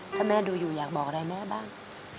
ถ้าแม่ดูอยู่อยากบอกอะไรแม่บ้าง